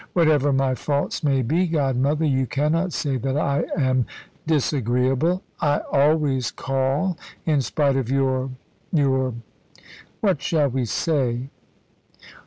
Whatever my faults may be, godmother, you cannot say that I am disagreeable. I always call, in spite of your your what shall we say?"